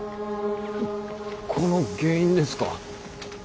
この原因ですか！？